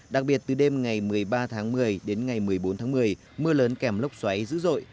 đặc biệt từ đêm ngày một mươi ba tháng một mươi đến ngày một mươi bốn tháng một mươi mưa lớn kèm lốc xoáy dữ dội